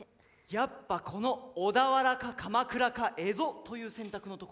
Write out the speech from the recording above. やっぱこの小田原か鎌倉か江戸という選択のところだね。